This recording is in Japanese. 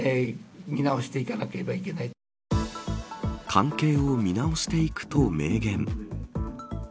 関係を見直していくと明言。